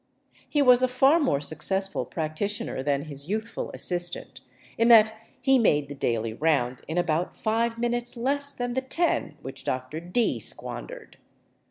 He was a far more suc cessful practitioner than his youthful assistant — in that he made the daily round in about five minutes less than the ten which Dr. D squandered.